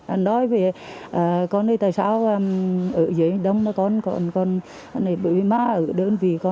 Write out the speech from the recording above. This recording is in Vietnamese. anh nói về con này tại sao ở dưới đông con con này bởi vì má ở đơn vị con